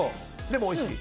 でもおいしい。